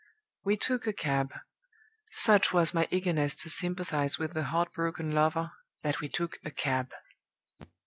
We took a cab: such was my eagerness to sympathize with the heart broken lover, that we took a cab!